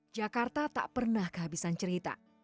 jakarta tak pernah kehabisan cerita